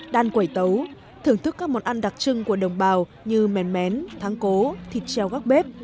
đan quẩy tấu thưởng thức các món ăn đặc trưng của đồng bào như mèn mén tháng cố thịt treo góc bếp